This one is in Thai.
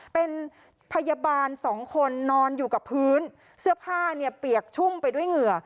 เป็นพยาบาลสองคนนอนอยู่กับพื้นเสื้อผ้าเนี่ยเปียกชุ่มไปด้วยเหงื่อ